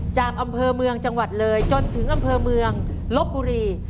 จากอำเภอเมืองจังหวัดเลยจนถึงอำเภอเมืองลบบุรี